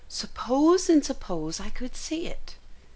Suppose and suppose I could see it."